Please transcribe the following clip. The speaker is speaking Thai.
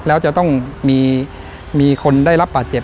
แล้วจะต้องมีคนได้รับบาดเจ็บ